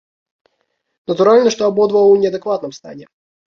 Натуральна, што абодва ў неадэкватным стане.